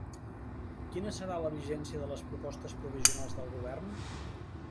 Quina serà la vigència de les propostes provisionals del govern?